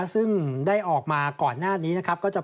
ซึ่งได้ออกมาก่อนหน้านี้นะครับ